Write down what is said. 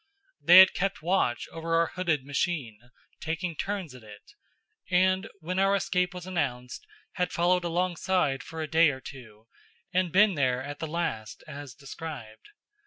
They had kept watch over our hooded machine, taking turns at it; and when our escape was announced, had followed along side for a day or two, and been there at the last, as described.